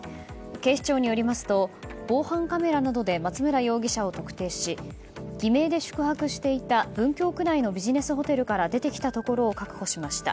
警視庁によりますと防犯カメラなどで松村容疑者を特定し偽名で宿泊していた文京区内のビジネスホテルから出てきたところを確保しました。